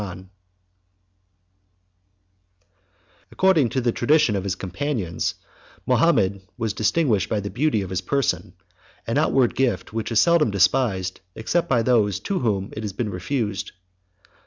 ] According to the tradition of his companions, Mahomet 69 was distinguished by the beauty of his person, an outward gift which is seldom despised, except by those to whom it has been refused.